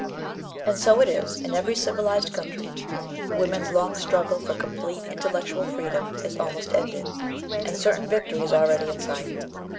And so it is in every civilized country. Woman's long struggle for complete intellectual freedom is almost ended, and certain victory is already in sight.